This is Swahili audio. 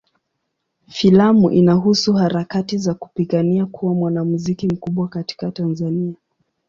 Filamu inahusu harakati za kupigania kuwa mwanamuziki mkubwa katika Tanzania.